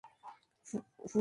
Fury los llama sus "Comandos".